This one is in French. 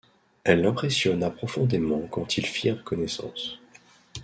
Elle l’impressionna profondément quand ils firent connaissance.